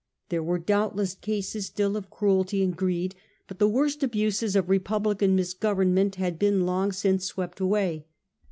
There were doubtless cases still of cruelty and greed; but the worst abuses of republican misgovern ment had been long since swept away.